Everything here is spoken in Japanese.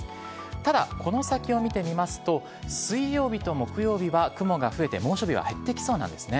ただ、この先を見てみますと、水曜日と木曜日は雲が増えて猛暑日は減ってきそうなんですね。